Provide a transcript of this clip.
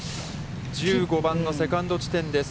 １５番のセカンド地点です。